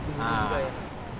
agak tertinggi juga ya